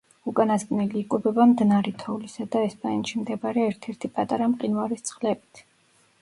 უკანასკნელი იკვებება მდნარი თოვლისა და ესპანეთში მდებარე ერთ-ერთი პატარა მყინვარის წყლებით.